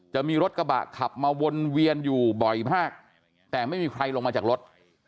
จะมีรถกระบะขับมาวนเวียนอยู่บ่อยมากแต่ไม่มีใครลงมาจากรถ